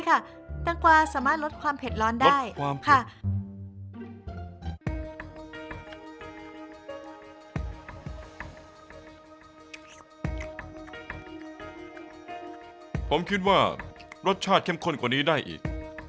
แต่วันนี้อาหารจานนี้มันไม่ค่อยโดนสักเท่าไหร่